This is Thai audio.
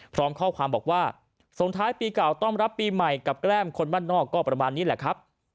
พร้อมข้อความบอกว่าส่งท้ายปีเก่าต้อนรับปีใหม่กับแก้มคนบ้านนอกก็ประมาณนี้แหละครับ